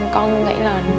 con nghĩ là